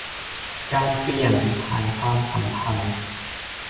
การเปลี่ยนผ่านความสัมพันธ์